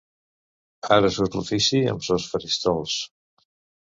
Ara surt l'ofici amb sos faristols.